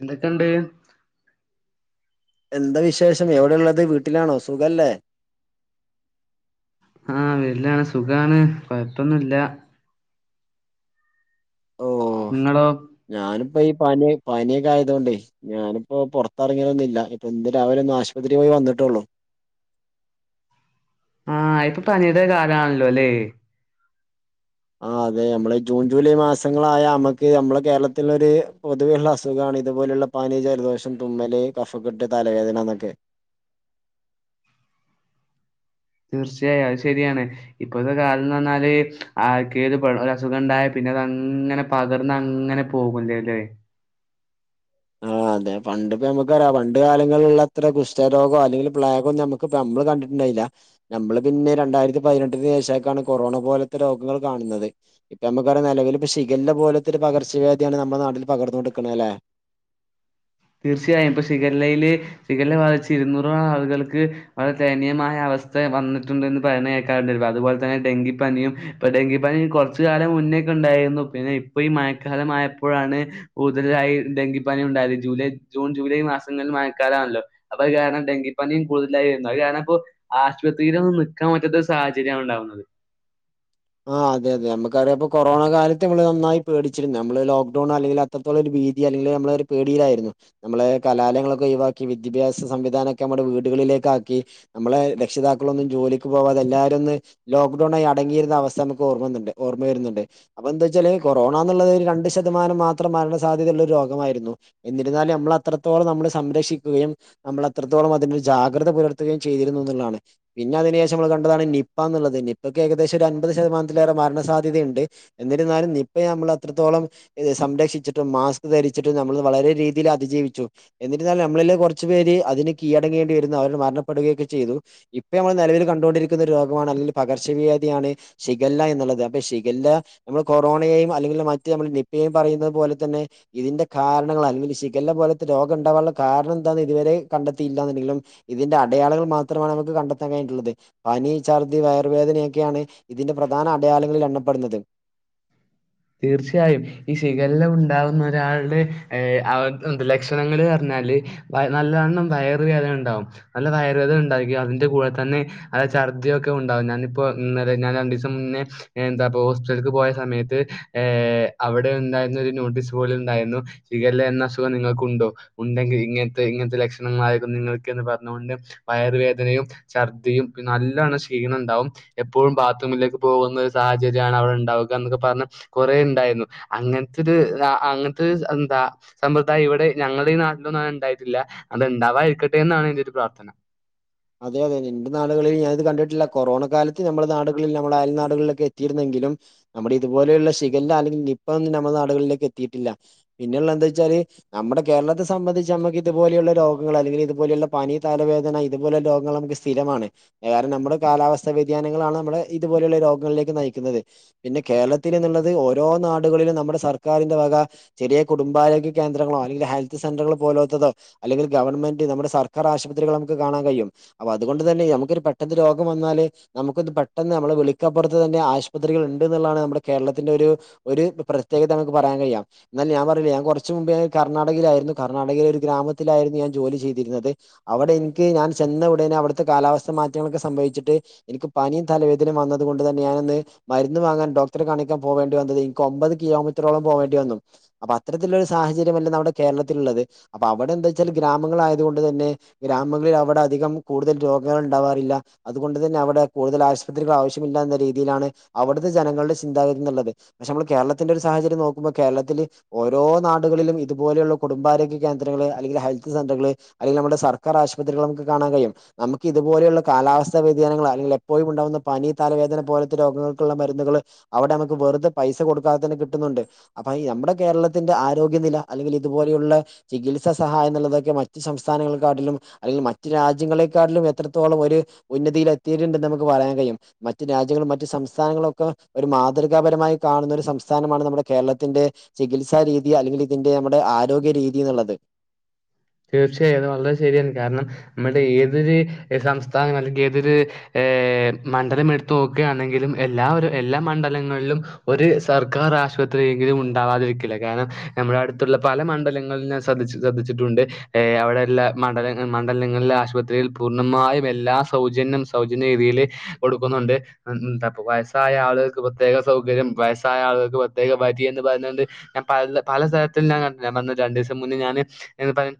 എന്തൊക്കെണ്ട്? എന്താ വിശേഷം? എവിടെള്ളത്? വീട്ടിലാണോ? സുഖല്ലേ? ആഹ് വിട്ലാണ് സുഖാണ് കൊഴപ്പൊന്നുല്ല. ഓഹ് നിങ്ങളോ ഞാനിപ്പ ഈ പനി പനിയൊക്കെ ആയതുകൊണ്ടേ ഞാനിപ്പോ പുറത്ത്റങ്ങിയതൊന്നില്ല ഇപ്പൊ ന്ന് രാവിലൊന്ന് ആശുപത്രി പോയി വന്നിട്ടുള്ളു. ആഹ് ഇപ്പോ പനിയുടെ കാലാണല്ലോല്ലേ? ആ അതെ നമ്മള് ജൂൺ ജൂലൈ മാസങ്ങളായ അമ്മക്ക് അമ്മള കേരളത്തിൽ ഒര് പൊതുവെ ഇള്ള അസുഖാ ഇതുപോലുള്ള പാനി, ജലദോഷം, തുമ്മല്, കഫക്കെട്ട്, തലവേദന എന്നൊക്കെ തീർച്ചയായും അത് ശെരിയാണ്, ഇപ്പോഴത്തെ കാലം എന്ന് പറഞ്ഞാല് ആർക്ക് ഒരു [unintelligible] ഒര് അസുഖം ഇണ്ടായ പി പിന്നെ അതങ്ങനെ പകർന്ന് അങ്ങനെ പോകുല്ലേല്ലേ. ആഹ് അതെ പണ്ട് ഇപ്പോ നമുക്ക് [unintelligible] പണ്ട് കാലങ്ങളുള്ള അത്ര കുഷ്ട രോഗോ അല്ലെങ്കിൽ പ്ലാഗോ നമ്മക്ക് പ നമ്മള് കണ്ടിട്ടുണ്ടായി ഇല്ല, നമ്മള് പിന്നെ രണ്ടായിരത്തി പതിനെട്ടിന് ശേഷയിട്ടാണ് കൊറോണ പോലത്തെ രോഗങ്ങൾ കാണുന്നത്, ഇപ്പ [unintelligible] നെലവിൽ ഇപ്പ ഷിഖല്ല പോലത്തൊരു പകർച്ചവ്യാധിയാണ് നമ്മടെ നാട്ടിൽ പകർന്നു കൊണ്ടടിക്കന്നത് അല്ലെ തീർച്ചയായും ഇപ്പ ഷിഖല്ലയില് ഷിഖല്ല ബാധിച്ച് ഇരുന്നൂറോളം ആളുകൾക്ക് വളരെ ദയനീയമായ അവ സ്ഥ വന്നിട്ടുണ്ടെന്ന് പറയന്ന കേൾക്കാണ്ട അതുപോലെ തന്നെ ഡെങ്കിപ്പനിയും ഇപ്പ ഡെങ്കിപനി കൊറച്ച് കാലം മുന് [unintelligible] ഉണ്ടായിരുന്നു പിന്നെ ഇപ്പ ഈ മയക്കാലമായപ്പോഴാണ് കൂടുതലായി ഡെങ്കിപ്പനി ഉണ്ടായത്. ജൂലൈ ജൂൺ ജൂലൈ മാസങ്ങളിൽ മയക്കാലാണല്ലോ അപ്പ അത് കാരണം ഡെങ്കിപ്പനിയും കൂടുതലായിരുന്നു അത് കാരണം ഇപ്പോ ആശുപത്രിയിലൊന്നും നിക്കാൻ പറ്റാത്ത സാഹചര്യം കൊണ്ട വന്നത്. ആഹ് അതെ അതെ നമുക്കറിയാംപ്പോ കൊറോണ കാലത്ത് നമ്മള് നന്നായി പേടിച്ചിരുന്നു, നമ്മള് ലോക്ക്ഡൗൺ അല്ലെങ്കിൽ അത്രത്തോം ഒരു [unintelligible] രീതി അല്ലെങ്കി നമ്മള് ഒരു പേടിയിലായിരുന്നു, നമ്മളെ കലാലയങ്ങളൊക്കെ ഒഴിവാക്കി വിദ്യാഭ്യാസ സംവിധാനൊക്കെ നമ്മുടെ വീടുകൾ [unintelligible] ആക്കി നമ്മളെ രക്ഷിതാക്കളൊന്നും ജോലിക്ക് പോവാതെ എല്ലാരും ഒന്ന് ലോക്ക്ഡൌൺ അടങ്ങിയിരുന്ന അവസ് സ്ഥ നമുക്ക് ഓർമ്മ [unintelligible] ഓർമ്മ വരുന്നുണ്ട്, അപ്പ എന്താച്ചാല് കൊറോണാന്നുള്ളത് രണ്ട് ശതമാനം മാത്രം മരണ സാധ്യത ള്ള ഒരു രോഗമായിരുന്നു, എന്നിരുന്നാലും നമ്മൾ അത്രത്തോളം നമ്മള് സംരക്ഷിക്കുകയും നമ്മൾ അത്രത്തോളം അതിന് ജാഗ് ഗ്രത പുലർത്തുകയും ചെയ്തിരുന്നുന്നുള്ളതാണ്, പിന്നെ അതിനു ശേഷം നമ്മള് കണ്ടതാണ് നിപ്പ എന്നുള്ളത് നിപ്പക്ക് ഏകദേശം രണ് [unintelligible] ശതമാനത്തിലേറെ മരണ സാധ്യതയിണ്ട്, എന്നിരുന്നാലും നിപ്പയെ നമ്മള് അത്രത്തോളം ഇത് സംരക്ഷിച്ചിട്ടും മാ മാസ്ക് ധരിച്ചിട്ട് നമ്മള് വളരെ രീതിയിൽ അതിജീവിച്ചു, എന്നിരുന്നാലും നമ്മളിലെ കൊറച്ച് പേര് അതിന് കീഴടങ്ങേണ്ടി വര് [unintelligible] അവര് മരണപ്പെടുകയൊക്കെ ചെയ്തു, ഇപ്പ നമ്മള് നെലവില് കണ്ടുകൊണ്ടിരിക്കുന്ന ഒരു രോഗമാണ് അല്ലെങ്കിൽ പകർച്ചവ്യാധിയാണ് ഷിഗല്ല എന്നുള്ളത് അപ്പൊ ഷിഗല്ല നമ്മള് കൊറോണയെയും അല്ലെങ്കിൽ മറ്റ് നമ്മൾ നിപ്പയെയും പറയുന്നത് പോലെ തന്നെ ഇതിന്റെ കാരണങ്ങള് അല്ലെങ്കിൽ ഷിഗലാ പോലത്തെ രോഗം ഉണ്ടാവാനുള്ള കാരണം എന്താന്ന് ഇതുവരെ കണ്ടെത്തിയില്ലാന്നുണ്ടെങ്കിലും ഇതിന്റെ അടയാളങ്ങള് മാത്രമാണ് നമുക്ക് കണ്ടെത്താൻ കഴിഞ്ഞട്ടുള്ളത് പനി ഛർദ്ദി വയറുവേദനയൊക്കെയാണ് ഇതിന്റെ പ്രധാന അടയാളങ്ങളിൽ എണ്ണപ്പെടുന്നത് തീർച്ചയായും ഈ ഷിഗലാ ഉണ്ടാവുന്ന ഒരാളടെ ഏ അ ലക്ഷണങ്ങള് പറഞ്ഞ ഞ്ഞാല് നല്ലവണ്ണം വയറ് വേദന ഉണ്ടാകും നല്ല വയറ് വേദന ഉണ്ടായിരിക്കും അതിന്റെ കൂടെ തന്നെ ഛർദ്ദിയൊക്കെ ഉണ്ടാകും ഞാനിപ്പോ ഇന്നലെ ഞാൻ രണ്ടു ദിവസം മുന്നേ എന്താ ഹോസ്പിറ്റലേക്ക് പോയ സമയത്ത് ഏ അവിടെ ഉണ്ടായിരുന്ന ഒരു നോട്ടീസ് ബോർഡിൽ ഉണ്ടായിരുന്നു ഷിഗലാ എന്ന അസുഖം നിങ്ങൾക്കുണ്ടോ ഉണ്ടെങ്കിൽ ഇങ്ങനത്തെ ഇങ്ങനത്തെ ലക്ഷണങ്ങള് ആയിരിക്കും നിങ്ങൾക്ക്ന്ന് പറഞ്ഞൊണ്ട് വയറുവേദനയും ഛർദിയുംപിന്നെ നല്ലവണ്ണം ക്ഷീണ മുണ്ടാവും എപ്പോഴും ബാത്റൂമിലേക്ക് പോകുന്ന ഒരു സാഹചര്യമാണ് അവിടെ ഉണ്ടാവുക എന്നൊക്കെ പറഞ്ഞ് കുറെ ഉണ്ടായിരുന്നു അങ്ങനെത്തെയൊരു അങ്ങനത്തെ ഒരു എന്താ സമ്പ്രദായം ഇവിടെ ഞങ്ങളടെ ഈ നാട്ടിലൊ ന്നും ഉണ്ടായിട്ടില്ല അത് ഉ ണ്ടാവാതിരിക്കട്ടെ എന്നാണ് എന്റെ ഒരു പ്രാർഥന അതെ അതെ എന്റെ നാടുകളിൽ ഞാനിത് കണ്ടിട്ടില്ല കൊറോണ കാലത്ത് നമ്മടെ നാടുകളിൽ നമ്മുടെ അയൽ നാടുകളിലൊക്കെ എത്തിയിരുന്നെങ്കി ലും നമ്മുടെ ഇതുപോലെയുള്ള ഷിഗലാ അല്ലെങ്കിൽ നിപ്പയൊന്നും നമ്മുടെ നാടുകളിലേക്ക് എത്തിയിട്ടില്ല പിന്നെയുള്ള എന്താന്ന് വെച്ചാല് ച്ചാല് നമ്മുടെ കേരളത്തെ സംബന്ധിച്ച് നമുക്ക് ഇതുപോലെയുള്ള രോഗങ്ങള് അല്ലെങ്കില് ഇതുപോലുള്ള പനി തലവേദന ഇതുപോലെ രോഗങ്ങൾ നമുക്ക് സ്ഥിരമാണ് കാരണം നമ്മുടെ കാലാവസ്ഥ വ്യതിയാനങ്ങളാണ് നമ്മുടെ ഇതുപോലെയുള്ള രോഗങ്ങളിലേക്ക് നയി ക്കുന്നത് പിന്നെ കേരളത്തി ഇ ന്നുള്ളത് ഓരോ നാടുകളിലും നമ്മുടെ സർക്കാരിന്റെ വക ചെറിയ കുടുംബ ആരോഗ്യ കേന്ദ്രങ്ങളോ അല്ലെങ്കില് ഹെൽത്ത് സെന്ററുകളോ പോലോ ത്തതോ അല്ലെങ്കി ഗവൺമെൻറെ നമ്മുടെ സർക്കാർ ആശുപത്രികൾ നമ്മു ക്ക് കാണാൻകഴിയും അപ്പം അതുകൊണ്ട് തന്നെ നമുക്ക് ഒരു പെട്ടന്ന് രോഗം വന്നാല് നമ്മുക്ക് പെട്ടെന്ന് നമ്മളെ വിളിക്കപ്പുറത്ത്തന്നെ ആശുപത്രികൾ ഉണ്ടന്നുള്ളതാണ് നമ്മുടെ കേരളത്തിന്റെ ഒരു ഒരു പ്രത്യേകത നമുക്ക് പറയാൻ കഴിയാം എന്നാൽ ഞാൻ പറയൂ ഞാൻ കൊറച്ച് മുൻപേ കർണാടകയിലായിരുന്നു കർണാടകയിലെ ഒരു ഗ്രാമത്തിലായിരുന്നു ഞാൻ ജോലി ചെയ്തിരുന്നത് അവിടെ എനിക്ക് ഞാൻ ചെന്നയുടനെ അവിടുത്തെ കാലാവസ്ഥ മാറ്റങ്ങളൊക്കെ സംഭവിച്ചിട്ട് എനിക്ക് പനിയും തലവേദനയും വന്നത് കൊണ്ട് തന്നെഞാന് മരുന്ന് വാങ്ങാൻ ഡോക്ടറെ കാണിക്കാൻ പോകേണ്ടി വന്നത് എനിക്ക് ഒമ്പത് കിലോമീറ്ററോളം പോകേണ്ടി വന്നു അപ്പൊ അത്ര ഇത്തരത്തിലുള്ള ഒരു സാഹചര്യം അല്ല നമ്മുടെ കേരളത്തിലുള്ളത് അപ്പൊ അവിടെ എന്താ വെച്ചാല് ഗ്രാമങ്ങളായത് കൊണ്ട് തന്നെ ഗ്രാ ങ്ങളിൽ അവിടെ അധികം കൂടുതൽ രോഗങ്ങൾ ഉണ്ടാവാറില്ല അതുകൊണ്ട് തന്നെ അവിടെ കൂടുതൽ ആശുപത്രികൾ ആവശ്യമില്ല എന്ന രീ രീതിയിലാണ് അവിടുത്തെ ജനങ്ങളുടെ ചിന്താഗതി എന്നുള്ളത് പക്ഷെ നമ്മള് കേരളത്തിന്റെ ഒരു സാഹചര്യം നോക്കുമ്പോൾ കേരളത്തില് ഓരോ നാടുകളിലും ഇതുപോലെയുള്ള കുടുംബാരോഗ്യ കേന്ദ്രങ്ങള് അല്ലെങ്കിൽ ഹെൽത്ത് സെന്ററുകള് അല്ലെങ്കിൽ നമ്മുടെ സ സർക്കാർആശുപത്രികള് നമ്മുക്ക് കാണാൻ കഴിയും നമുക്ക് ഇതുപോ ലുള്ള കാലാവസ്ഥ വ്യതിയാനങ്ങള് അല്ലെങ്കി എപ്പോഴും ഉണ്ടാവുന്ന പനി തലവേ വേദനപോലത്തെ രോഗങ്ങൾക്കുള്ള മരുന്നുകള് അവിടെ നമുക്ക് വെറുത പൈസ കൊടുക്കാതെതന്നെ കിട്ടുന്നുണ്ട് അപ്പോ ഈ നമ്മടെ കേരളത്തിന്റെ ആരോഗ്യനില അല്ലെങ്കിൽ ഇതുപോലെയുള്ള ചികിത്സാ സഹായം എന്നുള്ളതൊക്കെ മറ്റു സംസ്ഥാനങ്ങളെക്കാട്ടിലും അല്ലെങ്കിൽ മറ്റ് രാജ്യങ്ങളെക്കാട്ടിലും എത്രത്തോളം ഒരു ഉന്നതിയിൽ എത്തിയിട്ടുണ്ടെന്ന് നമുക്ക് പറയാൻ കഴിയും മറ്റ് രാജ്യ രാജ്യങ്ങളും മറ്റ് സംസ്ഥാനങ്ങളൊ ക്കെ ഒരു മാതൃകാപരമായി കാണുന്ന ഒരു സംസ്ഥാനമാണ് നമ്മുടെ കേരളത്തിന്റെ ചി ചികിസ രീതി അല്ലെങ്കിൽ ഇതിന്റെ നമ്മുടെ ആരോഗ്യരീതി എന്നുള്ളത് തീർച്ചയായും അത് വളരെ ശരിയാണ് കാരണം നമ്മുടെ ഏതൊരു സംസ്ഥാനം അല്ലെങ്കിൽ ഏതൊരു മണ്ഡലം എടുത്ത് നോക്കുകയാണെങ്കിലും എല്ലാമൊ രു എല്ലാ മണ്ഡലങ്ങളിലും ഒരു സർക്കാർ ആശുപത്രിയെങ്കിലും ഉണ്ടാവാതിരിക്കില്ല കാരണം നമ്മുടെ അടുത്തുള്ള പല മണ്ഡലങ്ങളിൽ ഞാൻ ശ്രദ്ധി ശ്രദ്ധിച്ചിട്ടുണ്ട് അവിടെ എല്ലാ മണ്ഡല മണ്ഡലങ്ങളിലെ ആശുപത്രികളിൽ പൂർണ്ണമായും എല്ലാ സൗജന്യം സൗജന്യ രീതിയിൽ കൊടുക്കുന്നുണ്ട് എന്താ ഇപ്പോ വയസ്സായ ആളുകൾക്ക് പ്രത്യേക സൗകര്യം വയസ്സായ ആളുകൾക്ക് പ്രത്യേക വരി എന്ന് പറഞ്ഞ് കൊണ്ട് ഞാൻ പല പല സ്ഥലത്ത് ഞാൻ കണ്ടിട്ടുണ്ട് ഞാൻ പറഞ്ഞില്ലേ രണ്ടു ദിവസം മുന്നേ ഞാന്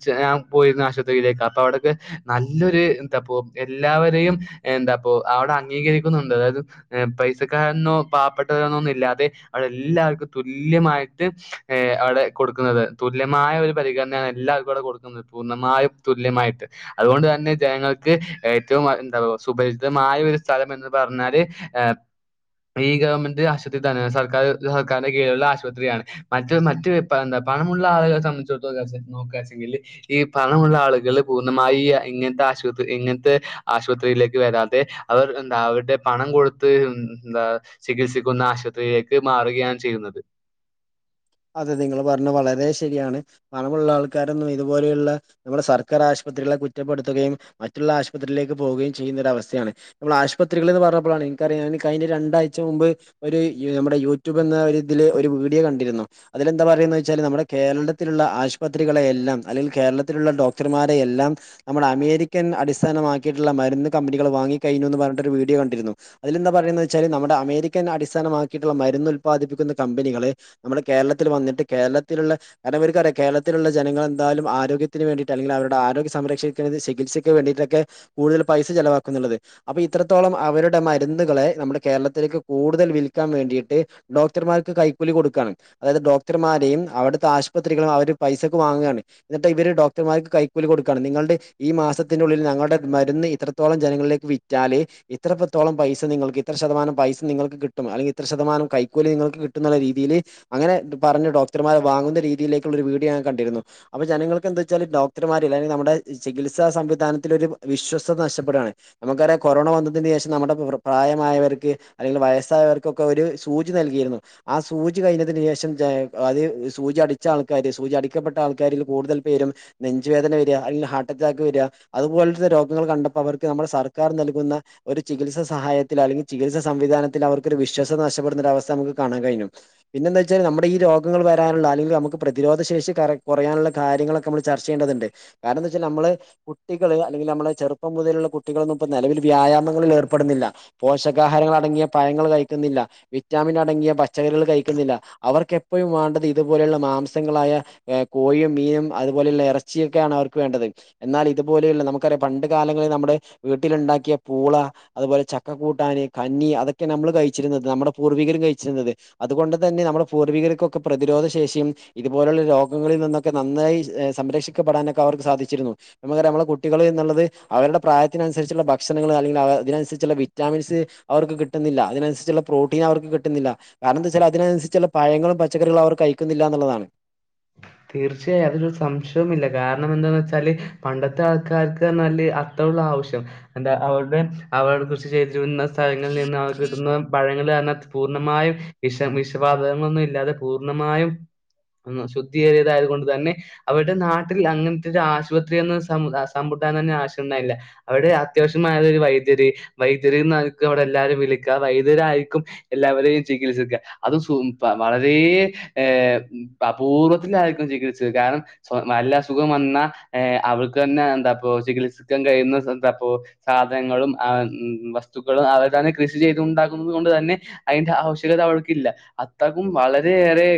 [unintelligible] ച്ച് ഞാൻ പോയിരുന്ന ആശുപത്രിയിലേക്ക് അപ്പൊ അവിടെക്കെ നല്ലൊരു എന്താപ്പോ എല്ലാവരെയും എന്താ അപ്പോ അവിടെ അംഗീകരിക്കുന്നുണ്ട് അതായത് പൈസക്കാരന്നോ പാവപ്പെട്ടതെ ന്നോഒന്നുമില്ലാതെ അവിടെല്ലാ ല്ലാർക്കും തുല്യമായിട്ട് അവിടെ കൊടുക്കുന്നത് തുല്യമായ ഒരു പരിഗണനയാണ് എല്ലാവർക്കും അവിടെ കൊടു ക്കുന്നത് പൂർണമായും തുല്യമായിട്ട് അതുകൊണ്ട് തന്നെ ജനങ്ങൾക്ക് ഏറ്റവും എന്താ സുപരിചിതമാ മായ ഒരു സ്ഥലം എന്ന് പറഞ്ഞാല് ഏ ഈ ഗവൺമെന്റ് ആശുപത്രി തന്നെയാണ് സർക്കാര് സർക്കാരിന്റെ കീഴിലുള്ള ആശുപത്രിയാണ് മറ്റ് മറ്റ്എന്താ പണമുള്ള ആളുകളെ സംബന്ധിച്ചിടത്തോളൂ നോക്കാച്ചെങ്കില് ഈ പണമുള്ള ആളുകൾ പൂർണ്ണമായി ഇങ്ങനത്തെ ആശുപത്രി ഇങ്ങനത്തെ ആശുപത്രിയിലേക്ക് വരാതെ അവർ എന്താ അവരുടെ പണം കൊടുത്ത് എന്താ ചികിത്സിക്കുന്ന ആശുപത്രിയിലേക്ക് മാറുകയാണ് ചെ ചെയ്യുന്നത് അതെ നിങ്ങള് പറഞ്ഞ വളരെ ശരിയാണ് പണമുള്ള ആൾക്കാരൊന്നും ഇതുപോലെയുള്ള നമ്മുടെ സർക്കാർ ആശു ആശുപത്രി കുറ്റപ്പെടുത്തുകയും മറ്റുള്ള ആശുപത്രി ലേക്ക് പോകുകയും ചെയ്യുന്ന ഒരു അവസ്ഥയാണ് നമ്മൾ ആശുപത്രികൾ എന്ന് പറഞ്ഞപ്പോലാണ് എനിക്കറിയാംൻ കഴിഞ്ഞ രണ്ടാഴ്ച മുമ്പ് ഒരു നമ്മുടെ യൂട്യൂബ് എന്ന ഒരുതില് ഒരു വീഡിയോ കണ്ടിരുന്നു അതിലെന്താ പറയുന്ന് വെച്ചാൽ നമ്മുടെ കേരളത്തിലുള്ള ആശുപത്രികളെ എല്ലാം അല്ലെങ്കിൽ കേരളത്തിലുള്ള ഡോക്ടർമാരെെ എല്ലാം നമ്മുടെ അമേരിക്കൻ അടിസ്ഥാനമാക്കിയിട്ടുള്ള മരുന്ന് കമ്പനികൾ വാങ്ങി കഴിഞ്ഞുന്ന് പറഞ്ഞിട്ടൊരു വീഡിയോ കണ്ടിരുന്നു അതിലെന്താ പറയുന്ന് വെച്ചാല് നമ്മുടെ അമേരിക്കൻ അടിസ്ഥാനമാക്കിട്ടുള്ള മരുന്ന് ഉല്പാദിപ്പിക്കുന്ന കമ്പനികള് നമ്മുടെ കേരളത്തിൽ വന്നിട്ട് കേരളത്തിലുള്ള കാരണം ഇവർക്കാരിയാ കേരളത്തിലുള്ള ജനങ്ങൾ എന്തായാലും ആരോഗ്യത്തിന് വേണ്ടിട്ട് അല്ലെങ്കിൽ അവരുടെ അ ആരോഗ്യ സംരക്ഷിക്കുന്നത് ചികിത്സക്ക് വേണ്ടിട്ടൊക്കെ കൂടുതൽ പൈസ ചെലവാക്കുന്നത് അപ്പൊ ഇത്രത്തോളം അവരുടെ മരുന്നുകളെ നമ്മുടെ കേരളത്തിലേക്ക് കൂടുതൽ വിൽക്കാൻ വേണ്ടിയിട്ട് ഡോക്ടർമാർക്ക് കൈക്കൂലി കൊടുക്കാണ് അതായത് ഡോക്ടർമാരെയും അവിടുത്തെ ആശുപത്രികളും അവര് പൈസക്ക് വാങ്ങുകാണ് എന്നിട്ട് ഇവര് ഡോക്ടർമാർക്ക് കൈക്കൂലി കൊ നിങ്ങളുടെ ഈ മാസത്തിന ഉള്ളിൽ ഞങ്ങളുടെ മരുന്ന് ഇത്രത്തോളം ജനങ്ങളിലേക്ക് വിറ്റാലേ ഇത്രത്തോളം പൈസ നിങ്ങൾക്ക് ഇത്ര ശതമാനം പൈസ നിങ്ങൾക്ക് കിട്ടും അല്ലെങ്കിൽ ഇത്ര ശതമാനം കൈക്കൂലി നിങ്ങൾക്ക് കിട്ടും എന്നുള്ള രീതിയില് അങ്ങനെ പറഞ്ഞു ഡോക്ടർമാരെ വാങ്ങുന്ന രീതിയിലേക്കുള്ള ഒരു വീഡിയോ ഞാ കണ്ടിരുന്നു അപ്പോ ജനങ്ങൾക്ക് എന്താ വെച്ചാല് ഡോക്ടർമാർ നമ്മുടെ ചികിത്സാ സംവിധാനത്തിൽ ഒരു വിശ്വസ്തത നഷ്ടപ്പെുകയാണ് നമുക്കറിയാം കൊറോണ വന്നതിനന് ശേഷം നമ്മുടെ പ്രായമായവർക്ക് അല്ലെങ്കിൽ വയസ്സായവർക്കൊക്കെ ഒരു സൂചി നൽകിയിരുന്നു ആ സൂചി കഴിഞ്ഞി തിന് ശേഷം അത് സൂച അടിച്ച ആൾക്കാര് സൂച അടിക്കപ്പെട്ട ആൾക്കാരിൽ കൂടുതൽ പേും നെഞ്ചുവേദ വരിക അല്ലെങ്കിൽ ഹാർട്ട് അറ്റാക്ക് വരിക അതുപോലത്തെ രോഗങ്ങൾ കണ്ടപ്പോ അവർക് നമ്മളെ സക്കാർ നൽുന്ന ഒരു ചികിത്സാ ചികിത്സ സഹായത്തി അല്ലെങ്കിൽ ചികിത്സ സംവിധാനത്തിൽ അവർക്ക് ഒരു വിശ്വാസത നഷ്ടപെടുനരവസ്ഥ നമുക്ക് കാണാ കഴിഞ്ഞു പിന്നെന്താ വെച്ചാൽ നമ്മുടെ ഈ രോഗങ്ങൾ വരാനുള്ള അല്ലെങ്കി നമ്മുക് പ്രതിരോധ ശേഷി കുറയാൻ കാര്യങ്ങളക്കെമ്മ ചർച്ച ചെയ്യേണ്ട ണ്ട് കാരണം വെച്ചാൽ നമ്മള് കുട്ടികള് അല്ലെങ്കി നമ്മളെ ചെറുപ്പം മുതലുള്ള കുട്ടികളന്നു ഇപ്പോ നിലവിൽ വ്യായാമങ്ങള്ളോന്നു ഏർപ്പെടുന്നില്ല പോഷകാഹാരങ്ങൾ അടങ്ങിയ പഴങ്ങൾ കഴിക്കുന്നില്ല വിറ്റാമിൻ അടങ്ങിയ പച്ചക്കറികൾ കഴി ന്നില്ല അവർക്കെപ്പോഴും വേണ്ടത് ഇതുപോലെയുള്ള മാംസങ്ങളായ കോഴിയും മീനും അതുപോലെയുള്ള ഇറ ച്ചിയൊക്കെ ആാണ് അവർക്ക് വേണ്ടത് എന്നാൽ ഇതുപോലെയുള്ള നമുക്കറിയാം പണ്ട് കാലങ്ങളിൽ നമ്മുടെ വീട്ടിലുണ്ടാക്കിയ പൂള അതുപോലെ ചക്കക്കൂട്ടാന് കന്നി അതൊക്കെ നമ്മള് കഴിച്ചിരുന്നത് നമ്മുടെ പൂർവികരും കഴിച്ചിരുന്നത് അതുകൊണ്ട് തന്നെ നമ്മുടെ പൂർവികർക്കൊക്കെ പ്രതിരോധ ശേഷിയും ഇതുപോലുള്ള രോഗങ്ങളിൽ നിന്നൊക്കെ നന്നായി സംരക്ഷിക്ക പടാനൊക്കെ അവർക്ക് സാധിച്ചിരുന്നു നമ്മുക്കറിയ നമ്മളെ കുട്ടികൾ എന്നുള്ളത് അവരുടെ പ്രായത്തിനനുസരിച്ചുള്ള ഭക്ഷണൾ അല്ലെങ്കിൽ അവ അതിനനുസരിച്ചുള്ള വിറ്റാമിൻസ് അവർക്ക് കിട്ടുന്നില്ല അതിനനുസരിുള്ള പ്രോട്ടീൻ അവർക്ക് കിട്ടുന്നില്ല കാരണം എന്തെച്ചാൽ അതിനനുസരിച്ചുള്ള പഴങ്ങളും പച്ചക്കറികളും അവർ കഴിക്കുന്നില്ല എന്നുള്ളതാണ് തീർച്ചയായും അതൊരു സംശ്യംവുമില്ല കാരണം എന്താന്ന് വെച്ചാല് പണ്ടത്തെ ആൾക്കാർക്ക് എന്നാൽ അത്രുള്ള ആവിശ്യം എന്ത അവരുടെ അവ കൃഷി ചെയ്തിരുന്ന സ്ഥലങ്ങളിൽ നിന്ന് അവക്ക് കിട്ടുന്ന പഴങ്ങൾ പൂർണ്ണമായും വിഷ വിഷവാതകങ്ങളൊന്നും ഇല്ലാതെ പൂർണമായും ശുദ്ധേറിയതായത് കൊണ്ട് തന്നെ അവരുടെ നാട്ടിൽ അങ്ങനത്തെ ഒരു ആശുപത്രിയന്ന് സമു സമുദാ ശ്യാം ഉണ്ടായില്ല അവിടെ അത്യാവശ്യമായ ഒരു വൈദ്യുതി വൈദ്യുനിടെ എല്ലരും വിളിക്ക വ ഇതരായിരിക്കും എല്ലാവരെയും ചികിത്സിക്ക അത് വളരെ ഏഹ അപൂർവ്വത്തിലയിരിക്കും ചകില്സിച്ചത് കാരണം നല്ല അസുഖം വന്നാ ഏ അവൾക്ക് തന്നെ എന്താ പ്പോ ചികിത്സിക്കൻ കഴിയുന്നപ്പോ സാധനങ്ങളും ഏ വസ്തുക്കളും അവർ തന്നെ കൃഷി ചെയ്തൊണ്ട കൊണ്ട് തന്നെ അയിന്റെ ആവശ്യകത അവൾക്കില്ല അത്തക്കും വളരെയറെ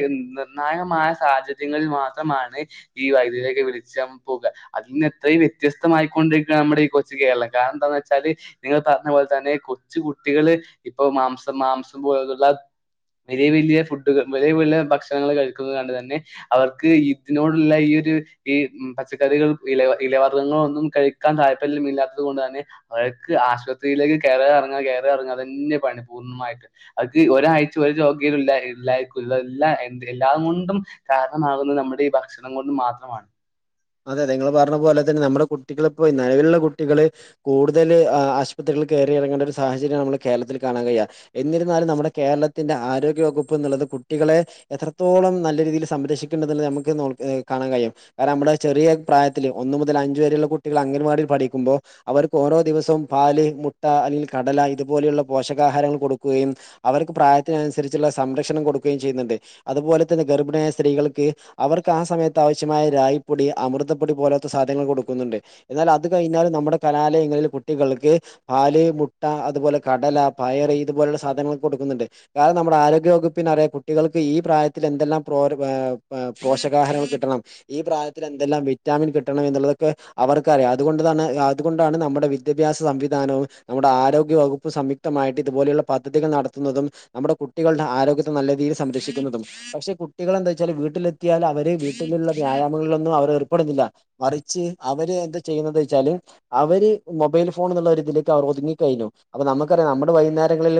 നിർണായകമായ സാഹചര്യങ്ങളിൽ മാത്രമാണ് ഈ വൈദ്യുരൊക്കെ വിളിച്ച പോകുക അതിൽ നിന്ന് എത്രയും വ്യ വ്യത്യസ്തമായിക്കൊണ്ടിരിക്കുകാണ് നമ്മുടെ ഈ കൊച്ചു കേരളം കാരണം എന്താന്ന് വെച്ചാല് നിങ്ങൾ പറഞ്ഞ പോലെ തന്നെ കൊച്ച കുട്ടികള് ഇപ്പോ മാംസം മാംസം പോലുള്ള വലിയ വലിയ ഫുഡകൾ വലിയ വലിയ ഭക്ഷണങ്ങൾ കഴി ണ്ട് തന്നെ അവർക്ക് ഇതിനോടുള്ള ഈ ഒരു ഈ പച്ചക്കറികൾ ഇലവർഗ്ഗങ്ങ ഒന്നും കഴിക്കാൻ താല്പര്യം ഇല്ലാത്തത് കൊണ്ട് തന്നെ അവൾക്ക് ആശുപത്രിയിലേക്ക് കയറി ഇറങ്ങ കയറി ഇറങ്ങാ ത നെ പണി പൂർണ്ണമായിട്ട് അത് ഒരാഴ്ച ഒരു ജോ [unintelligible] എല്ലാം കൊണ്ടും കാരണമാകുന്നത് നമ്മുടെ ഈ ഭക്ഷണം കൊണ്ടും മാത്രമാണ് അതെ നിങ്ങൾ പറഞ്ഞ പോലെ തന്നെ നമ്മുടെ കുട്ടികളിപ്പോൊ നിലവിലുള്ള കുട്ടികള് കൂടുതൽ ആശുപത്രി കേറിയിറങ്ങേണ്ട ഒരു സാഹചര്യം ആണല്ലോ കേരളത്തിൽ കാണാൻ കഴിയ എന്നിരുന്നാലും നമ്മുടെ കേരളത്തിന്റെ ആരോഗ്യവകുപ്പ്ന്നുള്ളത് കുട്ടികളെ എത്രത്തോളം നല്ല രീതിയിൽ സംരക്ഷിക്കേണ്ടത് ന്ന് നമുക്ക് നോ ആ കാണാൻ കഴിയും കാരണം നമ്മടെ ചെറിയ പ്രായത്തില് ഒന്നു മുതൽ അഞ്ചു വരെയുള്ള കുട്ടികൾ അംഗൻവാടിൽ പഠിക്കുമ്പോൾ അവർക്ക് ഓരോ ദിവസവും പാല് മുട്ട അല്ലെങ്കിൽ കടല ഇതുപോലെയുള്ള പോഷകാഹാരങ്ങൾ കൊടുക്കുകയും അവർക്ക് പ്രായത്തിനനുസരിച്ചുള്ള സംരക്ഷണം കൊടുക്കുകയും ചെയ്യുന്നുണ്ട് അതുപോലെ തന്നെ ഗർഭിണിയായ സ്ത്രീകൾക്ക് അവർക്ക് ആ സമയത്ത് ആവശ്യമായ രാ പൊടി അമൃതപ്പൊടി പോലാത്തെ സാധനങ്ങൾ കൊടുക്കുന്നുണ്ട് എന്നാൽ അത് കഴിഞ്ഞാലും നമ്മുടെ കലാലയങ്ങളിൽ കുട്ടികള്ക്ക് പാല് മുട്ട അതുപോലെ കടല പയറ് ഇതുപോലുള്ള സാധനങ്ങൾ കൊടുക്കുന്നുണ്ട് കാരണം നമ്മുടെ ആരോഗ്യ വകു പ്പിന്നറിയാം കുട്ടികൾക്ക് ഈ പ്രായത്തിൽ എന്തെല്ലാം പ്രോര ആം ആം പോഷകാഹാരങ്ങൾ കിട്ടണം ഈ പ്രായത്തി എന്തെല്ലാം വിറ്റാമിൻ കിട്ടണം എന്നുള്ളതൊക്കെ അവർക്കറിയാം അതുകൊണ്ട് തന്നെ അതുകൊണ്ടാണ് നമ്മുടെ വിദ്യാഭ്യാസ സംവിധാ നമ്മുടെ ആരോഗ്യ വകുപ്പ് സംയുക്തമായിട്ട് ഇതുപോലുള്ള പദ്ധതികൾ നടത്തുന്നതും നമ്മുടെ കുട്ടികളുടെ ആരോ നല്ല രീതിൽ സംരക്ഷിക്കുന്നതും പക്ഷേ കുട്ടികൾ എന്താ വെച്ചാല് വീട്ടിലെത്തിയാൽ അവര് വീട്ടിലുള്ള വ്യായ ളോന്നും അവ ഏർപ്പെടുന്നില്ല മറിച്ച് അവര് എന്ത ചെയ്യുന്നത് ന്ന് വെച്ചല് അവര് മൊബൈൽ ഫോൺ ഒരു ഇതിലേക്ക് അവര് ഒതുങ്ങി കഴിഞ്ഞു അപ്പൊ നമുക്കറിയാം നമ്മുടെ വൈകുന്നേരങ്ങളിൽ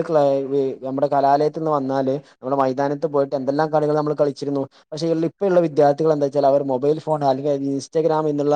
നമ്മുടെ കലാലയത്തിൽ നിന്ന് വന്ന ല് നമ്മുടെ മൈതാനത്ത് പോയിട്ട് എന്തെല്ലാം കളികള് നമ്മൾ കളിച്ചിരുന്നു പക്ഷേ ളിപ്പൊള്ള വിദ്യാർത്ഥികൾ എന്താ വെച്ചാ അവര് മോ മൊബൈൽ ഫോൺ അല്ലെങ്കിൽ ഇൻസ്റ്റഗ്രാം എന്നുള്ള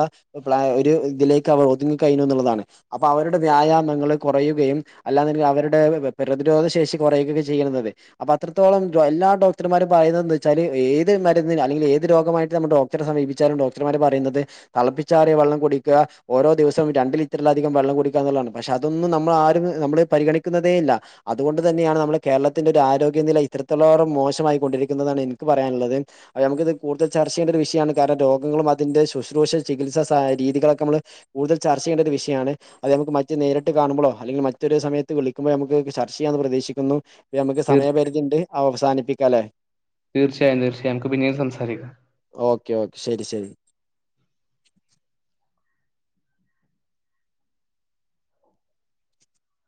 ഒരു ഇതിലേക്ക് അവർ ഒതുങ്ങി കഴിഞ്ഞു എന്നുള്ളതാണ് അപ്പോ അവ വ്യായാമങ്ങൾ കുറയുകയും അല്ലാന്നുണ്ടെങ്കിൽ അവരുടെ പ്രതിരോധ ശേഷി കുറയുക ഒക്കെ ചെയ്യണത് ഒക്കെ അപ്പ അത്രത്തോളം എല്ലാ ഡോക്ടർമാരും പറയുന്നത് എന്ത് വെച്ചാല് ഏത് മരുന്നിന് അല്ലെങ്കില് ഏത് രോഗമായിട്ട് നമ്മു സമീപിച്ചാലും ഡോക്ടർമാര് പറയുന്നത് തെളപ്പിച്ചാറിയ വെള്ളം കുടിക്കുക ഓരോ ദിവസവും രണ്ട് ലിറ്ററിലധികം വെള്ളം കുടിക്കന്നുള്ളതാണ് പശേ അതൊന്നും നമ്മൾ ആരും നമ്മള് പരിഗണിക്കുന്നതേ ഇല്ല അതുകൊണ്ട് തന്നെയാണ് നമ്മുടെ കേരളത്തിന്റെ രാ ആരോഗ്യനില ഇത്തിരത്തോളം മോശമായി കൊണ്ടിരിക്കുന്നതാണ് എനിക്ക് പറയാനുള്ളത് അവോ നമുക്കിത് കൂടുതൽ ചർച്ച ചെയ്യണ്ട ഒരു വിഷ ആണ് കാരണം രോഗങ്ങളും അതിന്റെ ശുശ്രൂഷ ചികിത്സാസാ രീതികളൊക്കെ നമ്മള് കൂടുതൽ ചർച്ച ചെയ്യേണ്ട ഒരു വിഷയാണ് അത് നമുക്ക് മറ്റു നേരിട്ട് കാണുമ്പോളോ അല്ലെങ്കിൽ മറ്റൊരു സമയത്ത് വിളിക്കുമ്പോഴോ നമുക്ക് ചർച്ച ചെയ്യാന്ന് പ്രതീക്ഷിക്കുന്നു നമുക്ക് തീർ- സമയപരിധി ഉണ്ട് അവസാനിപ്പിക്കാം അല്ലേ തീർച്ചയായും തീർച്ചയായും നമ്മുക്ക് പിന്നീട് സംസാരിക്കാം ക്കെ ഓക്കെ ശരി ശരി